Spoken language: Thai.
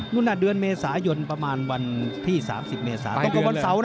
นู่นน่ะเดือนเมษายนต์ประมาณวันที่๓๐เมษาต้องเป็นวันเสาร์นะ